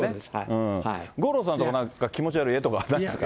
五郎さんのところ気持ち悪い絵とかないですか。